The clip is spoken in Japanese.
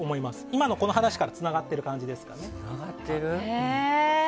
今の話からつながってる感じです。